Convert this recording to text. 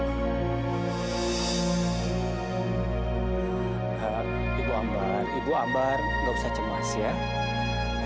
ibu ambar ibu ambar nggak usah cemas ya